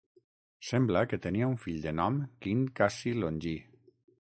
Sembla que tenia un fill de nom Quint Cassi Longí.